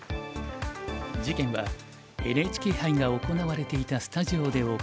事件はＮＨＫ杯が行われていたスタジオで起こりました。